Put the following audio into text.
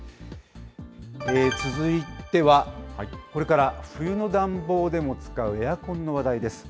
続いては、これから冬の暖房でも使うエアコンの話題です。